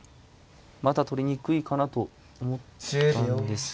まだ取りにくいかなと思ったんですが。